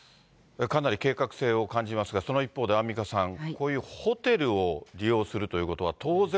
かなり計画性を感じますが、その一方でアンミカさん、こういうホテルを利用するということは、当然、